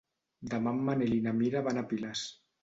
Demà en Manel i na Mira van a Piles.